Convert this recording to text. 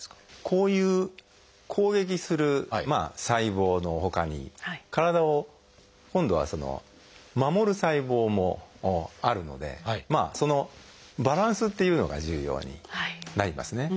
こういう攻撃する細胞のほかに体を今度は守る細胞もあるのでそのバランスというのが重要になりますね。